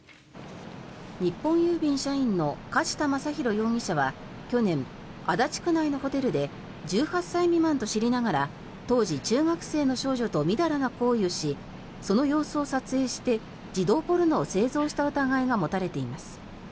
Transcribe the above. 日本郵便社員の梶田征広容疑者は去年足立区内のホテルで１８歳未満と知りながら当時、中学生の少女とみだらな行為をしその様子を撮影して児童ポルノを製造した疑いが持たれています。